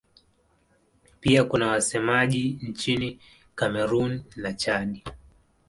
Pia kuna wasemaji nchini Kamerun na Chad.